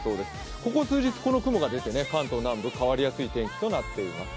ここ数日、この雲が出て関東南部変わりやすい天気となっています。